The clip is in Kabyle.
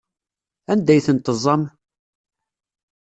Anda ay tent-teẓẓam?